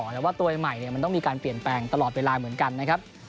แต่ว่าตัวใหม่มันต้องมีการเปลี่ยนแปลงตลอดเวลาเหมือนกันนะครับ